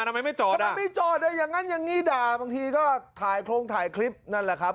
ทำไมไม่จอดอ่ะอย่างนั้นยังงี้ด่าบางทีก็ถ่ายโครงถ่ายคลิปนั่นแหละครับ